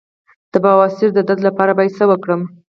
د بواسیر د درد لپاره باید څه وکړم؟